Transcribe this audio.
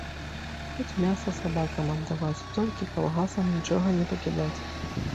Хоць мяса сабакам аддаваць, толькі калгасам нічога не пакідаць.